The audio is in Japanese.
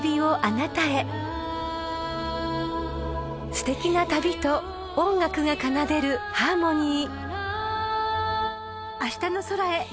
［すてきな旅と音楽が奏でるハーモニー］